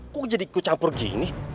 kok jadi ku campur gini